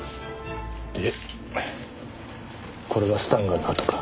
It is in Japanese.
でこれがスタンガンの痕か？